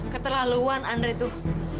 keterlaluan andre tuh